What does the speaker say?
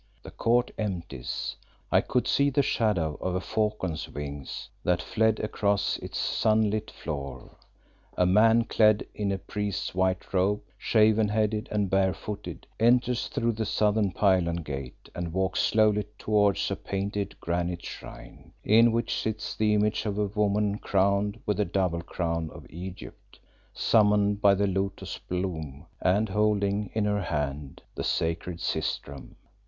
The court empties; I could see the shadow of a falcon's wings that fled across its sunlit floor. A man clad in a priest's white robe, shaven headed, and barefooted, enters through the southern pylon gate and walks slowly towards a painted granite shrine, in which sits the image of a woman crowned with the double crown of Egypt, surmounted by a lotus bloom, and holding in her hand the sacred sistrum.